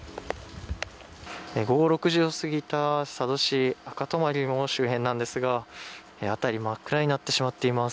午後６時を過ぎた佐渡市赤泊の周辺なんですが辺り真っ暗になってしまっています。